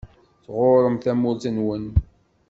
Tɣuṛṛem tamurt-nwen.